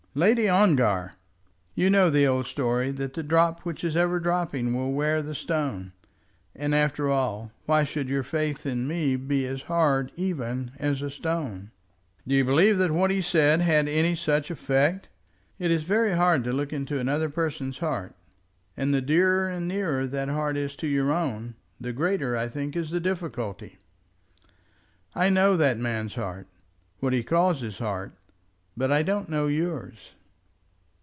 "Lady Ongar!" "You know the old story, that the drop which is ever dropping will wear the stone. And after all why should your faith in me be as hard even as a stone?" "Do you believe that what he said had any such effect?" "It is very hard to look into another person's heart; and the dearer and nearer that heart is to your own, the greater, I think, is the difficulty. I know that man's heart, what he calls his heart; but I don't know yours."